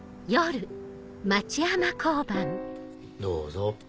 どうぞ。